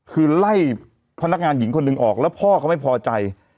คือไล่พนักงานหญิงคนหนึ่งออกแล้วพ่อเขาไม่พอใจ